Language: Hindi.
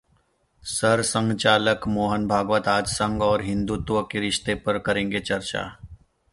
सरसंघचालक मोहन भागवत आज संघ और हिंदुत्व के रिश्ते पर करेंगे चर्चा